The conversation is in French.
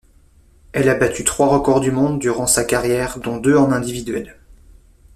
Elle a battu trois records du monde durant sa carrière dont deux en individuel.